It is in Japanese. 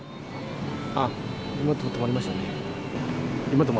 あっ、今、止まりましたね。